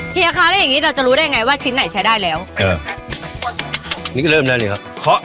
เฮียคะแล้วอย่างงี้เราจะรู้ได้ไงว่าชิ้นไหนใช้ได้แล้วครับนี่ก็เริ่มแล้วนี่ครับเคาะ